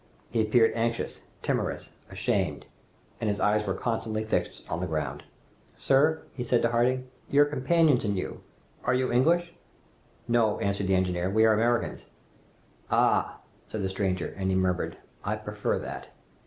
He appeared anxious, timorous, ashamed, and his eyes were constantly fixed on the ground. "Sir," said he to Harding, "your companions and you, are you English?" "No," answered the engineer, "we are Americans." "Ah!" said the stranger, and he murmured, "I prefer that!"